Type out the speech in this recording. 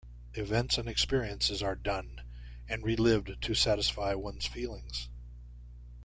Events and experiences are done and relived to satisfy one's feelings.